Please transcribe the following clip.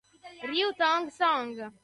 Ryu Tong-song